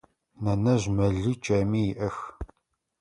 Нэнэжъ мэли чэми иӏэх.